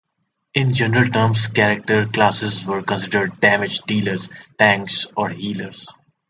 In general terms, character classes were considered "damage dealers", "tanks", or "healers".